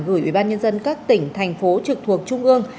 gửi ubnd các tỉnh thành phố trực thuộc trung ương